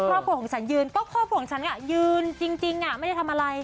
ครอบครัวของฉันยืนก็ครอบครัวของฉันยืนจริงไม่ได้ทำอะไร